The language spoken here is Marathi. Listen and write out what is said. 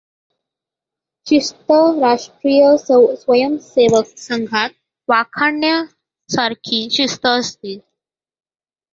शिस्त राष्ट्रीय स्वयंसेवक संघात वाखाणण्यासारखी शिस्त असते.